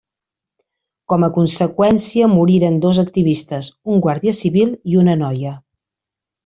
Com a conseqüència moriren dos activistes, un guàrdia civil i una noia.